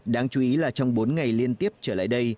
đáng chú ý là trong bốn ngày liên tiếp trở lại đây